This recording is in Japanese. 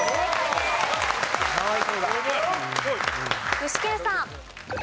具志堅さん。